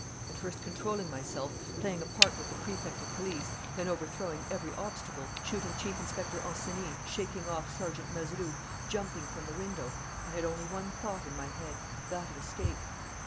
"At first controlling myself, playing a part with the Prefect of Police, then overthrowing every obstacle, shooting Chief Inspector Ancenis, shaking off Sergeant Mazeroux, jumping from the window, I had only one thought in my head that of escape.